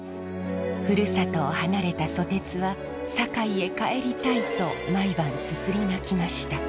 ふるさとを離れた蘇鉄は「堺へかえりたい」と毎晩すすり泣きました。